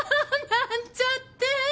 なんちゃって！